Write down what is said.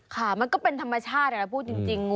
ค่ะมันก็เป็นธรรมชาตินะพูดจริง